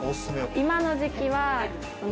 今の時期は。